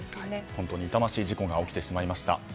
本当に痛ましい事故が起きてしまいました。